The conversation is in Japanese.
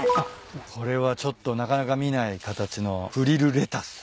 これはちょっとなかなか見ない形のフリルレタス。